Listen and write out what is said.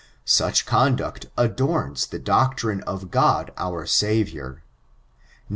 Sndi conduct adorns the doctrine of Grod our SaTioor. Now.